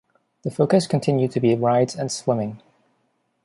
The focus continued to be rides and swimming.